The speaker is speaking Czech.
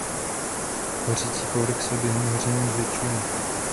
Hořící povrch se během hoření zvětšuje.